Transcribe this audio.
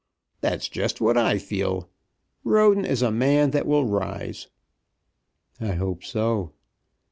"That's just what I feel. Roden is a man that will rise." "I hope so."